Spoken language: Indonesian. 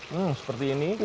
hmm seperti ini